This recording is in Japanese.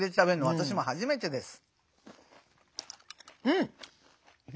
私も初めてです。